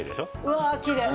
うわきれい。